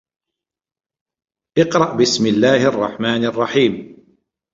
اقْرَأْ بِسْمِ اللَّهِ الرَّحْمَنِ الرَّحِيمِ